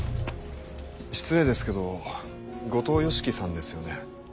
失礼ですけど後藤芳樹さんですよね？